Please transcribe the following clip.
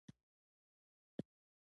سُبکري یو له هغو غلامانو څخه وو.